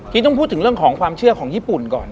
ต้องพูดถึงเรื่องของความเชื่อของญี่ปุ่นก่อน